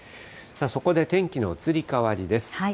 そこで天気の移り変わりです。